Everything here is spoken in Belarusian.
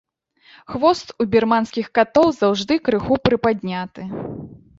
Хвост у бірманскіх катоў заўжды крыху прыпадняты.